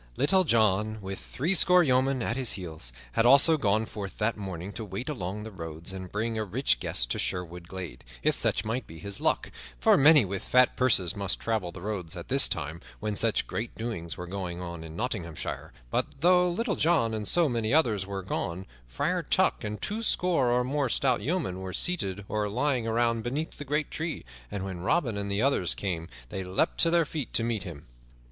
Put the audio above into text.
Little John, with threescore yeomen at his heels, had also gone forth that morning to wait along the roads and bring a rich guest to Sherwood glade, if such might be his luck, for many with fat purses must travel the roads at this time, when such great doings were going on in Nottinghamshire, but though Little John and so many others were gone, Friar Tuck and twoscore or more stout yeomen were seated or lying around beneath the great tree, and when Robin and the others came they leaped to their feet to meet him.